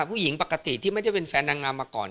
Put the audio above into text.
ผู้หญิงปกติที่ไม่ได้เป็นแฟนนางงามมาก่อน